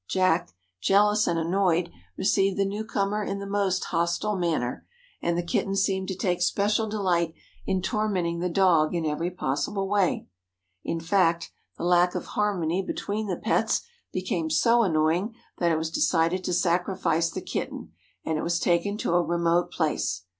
Jack, jealous and annoyed, received the newcomer in the most hostile manner, and the kitten seemed to take special delight in tormenting the dog in every possible way. In fact, the lack of harmony between the pets became so annoying that it was decided to sacrifice the kitten, and it was taken to a remote place.